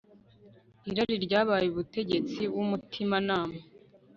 Irari ryabaye umutegetsi wumutimanama